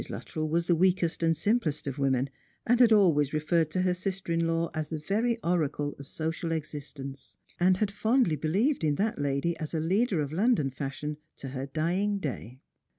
Luttrell vaa the weakest and simplest of women, and had always referred Strangers and Pilgriih^s. 121 to her sister in law as the very oracle of social existence, and had fondly believed in that lady as a leader of London fashion to her dying day.